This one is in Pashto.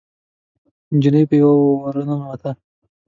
نجلۍ په يوه وره ننوته.